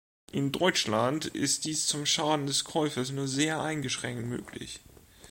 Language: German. In Deutschland ist dies zum Schaden des Käufers nur sehr eingeschränkt möglich.